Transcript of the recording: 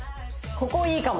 ここいいかも！